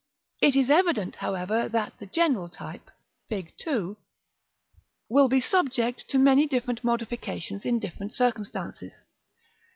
It is evident, however, that the general type, Fig. II., will be subject to many different modifications in different circumstances.